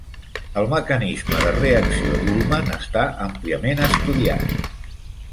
El mecanisme de reacció de la reacció d'Ullmann està àmpliament estudiat.